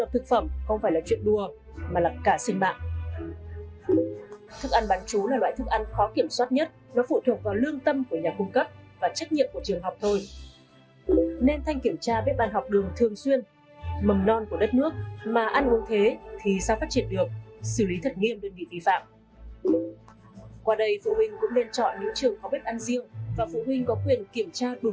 qua đây phụ huynh cũng nên chọn những trường có bếp ăn riêng và phụ huynh có quyền kiểm tra đủ